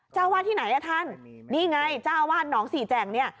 เจ้าวาดที่ไหนอ่ะท่านนี่ไงเจ้าอาวาสหนองสี่แจ่งเนี่ย